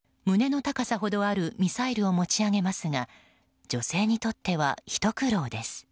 胸の高さほどあるミサイルを持ち上げますが女性にとっては、ひと苦労です。